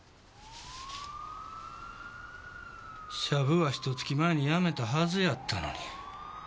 シャブはひと月前にやめたはずやったのに。